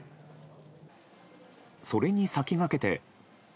それに先駆けて。